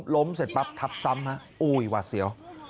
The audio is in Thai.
ล้มเสร็จปั๊บทับซ้ำฮะอุ้ยหวาดเสียว